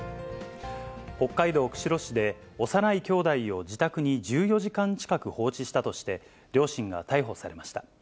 北海道釧路市で、幼い兄弟を自宅に１４時間近く放置したとして、両親が逮捕されました。